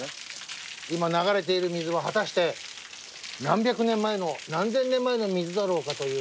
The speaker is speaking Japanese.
今流れている水は果たして何百年前の何千年前の水だろうかというロマンですよ。